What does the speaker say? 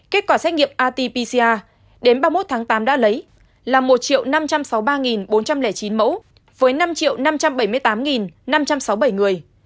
kết quả xét nghiệm atpca đến ba mươi một tháng tám đã lấy là một năm trăm sáu mươi ba bốn trăm linh chín mẫu với năm năm trăm bảy mươi tám năm trăm sáu mươi bảy người